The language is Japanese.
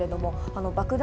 爆弾